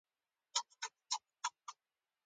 د مينې او حشمتي ميندو د خوړو په تيتولو پيل وکړ.